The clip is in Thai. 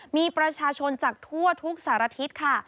มีประชาชนจากทั่วทุกสารทิศค่ะ